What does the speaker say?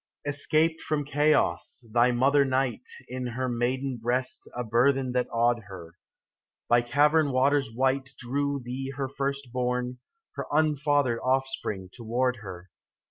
32 Escaped from chaos, thy mother Night, In her maiden breast a burthen that awed her. By cavern waters white Drew thee her first born, her unfathered offspring, toward her.